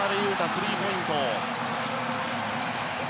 スリーポイント。